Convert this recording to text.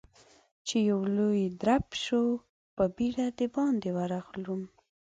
چې يو لوی درب شو، په بيړه د باندې ورغلم.